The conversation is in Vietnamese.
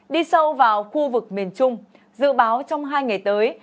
đi sâu vào khu vực miền trung dự báo trong hai ngày tới